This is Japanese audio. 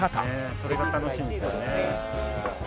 それが楽しみですよね。